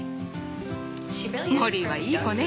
モリーはいい子ね。